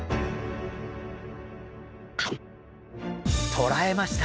捕らえました。